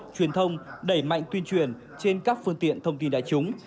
truyền thông đẩy mạnh tuyên truyền trên các phương tiện thông tin đại chúng